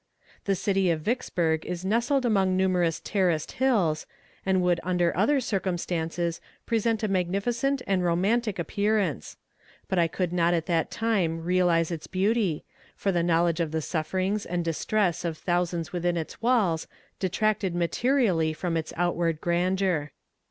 The city of Vicksburg is nestled among numerous terraced hills, and would under other circumstances present a magnificent and romantic appearance; but I could not at that time realize its beauty, for the knowledge of the sufferings and distress of thousands within its walls detracted materially from its outward grandeur.